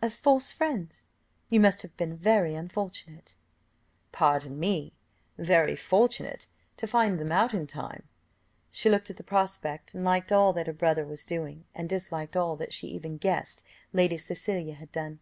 "Of false friends you must have been very unfortunate." "Pardon me very fortunate to find them out in time." She looked at the prospect, and liked all that her brother was doing, and disliked all that she even guessed Lady Cecilia had done.